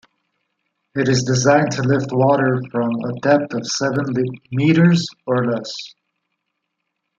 It is designed to lift water from a depth of seven metres or less.